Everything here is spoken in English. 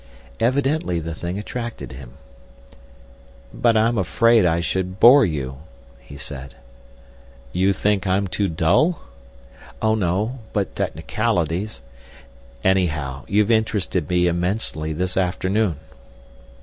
Evidently the thing attracted him. "But I'm afraid I should bore you," he said. "You think I'm too dull?" "Oh, no; but technicalities—" "Anyhow, you've interested me immensely this afternoon."